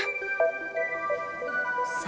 ketemu di tempat yang sama